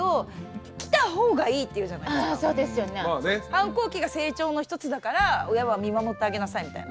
反抗期が成長の一つだから親は見守ってあげなさいみたいな。